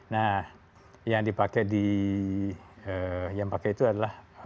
nah yang dipakai itu adalah sputnik juga pakai